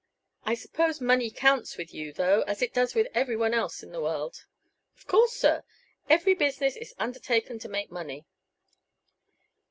"I suppose money counts with you, though, as it does with everyone else in the world?" "Of course, sir. Every business is undertaken to make money."